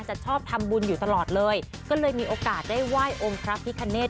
จะชอบทำบุญอยู่ตลอดเลยก็เลยมีโอกาสได้ไหว้องค์พระพิคเนธ